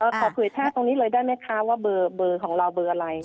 ขอเผยแพร่ตรงนี้เลยได้ไหมคะว่าเบอร์ของเราเบอร์อะไร